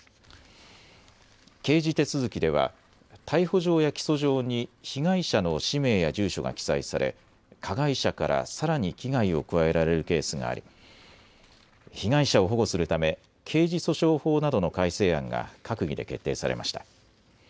刑事手続きでは逮捕状や起訴状に被害者の氏名や住所が記載され加害者からさらに危害を加えられるケースがあり被害者を保護するため刑事訴訟法などの改正案が閣議で決定されました。